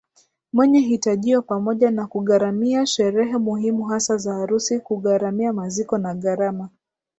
mwenye hitajio pamoja na kugharamia sherehe muhimu hasa za harusi kugharamia maziko na gharama